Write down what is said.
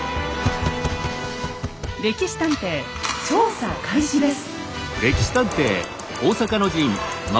「歴史探偵」調査開始です。